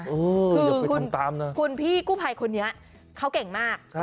คือคุณพี่กู้ภัยคนนี้เขาเก่งมาก